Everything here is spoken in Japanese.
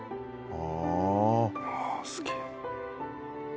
「ああすげえ」